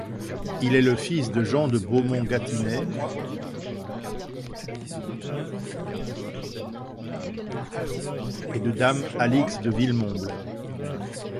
Il est le fils de Jean de Beaumont-Gâtinais et de dame Alix de Villemomble.